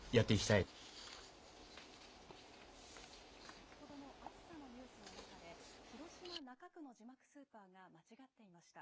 先ほどの暑さのニュースの中で、広島中区の字幕スーパーが間違っていました。